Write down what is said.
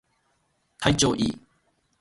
体調いい